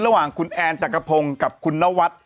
ระหว่างขนแอร์จักไปกับคุณนวัด